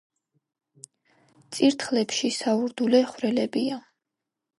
წირთხლებში საურდულე ხვრელებია.